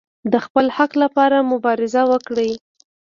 د خپل حق لپاره مبارزه وکړئ